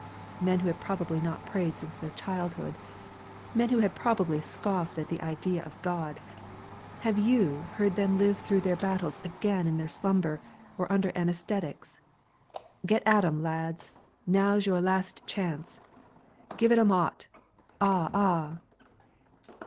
"Men who had probably not prayed since their childhood, men who had probably scoffed at the idea of God have you heard them live through their battles again in their slumber or under anæsthetics? 'Get at 'em, lads now's your last chance give it 'em 'ot ah! ah!'